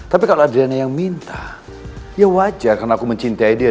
tapi kalau adriana yang minta ya wajar karena aku mencintai dia